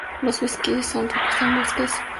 Los Beskides son ricos en bosques y carbón.